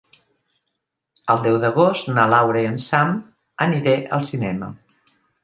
El deu d'agost na Laura i en Sam aniré al cinema.